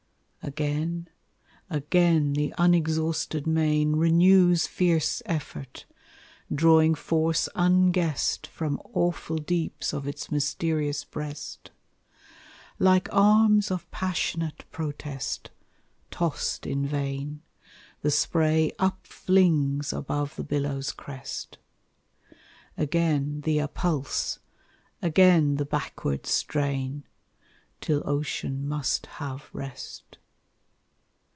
Again, again the unexhausted main Renews fierce effort, drawing force unguessed From awful deeps of its mysterious breast: Like arms of passionate protest, tossed in vain, The spray upflings above the billow's crest. Again the appulse, again the backward strain Till ocean must have rest.